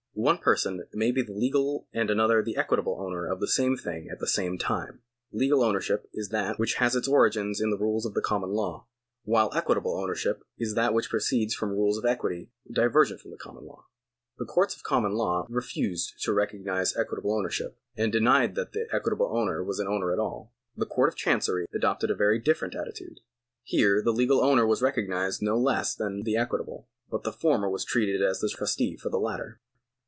One person may be the legal and another the equitable owner of the same thing at the same time. Legal ownership is that which has its origin in the rules of the common law, while equitable ownership is that which proceeds from rules of equity divergent from the com mon law. The courts of common law refused to recognise equitable ownership, and denied that the equitable owner was an owner at all. The Court of Chancery adopted a very different attitude. Here the legal owner was recognised no ess than the equitable, but the former was treated as a trustee for the latter.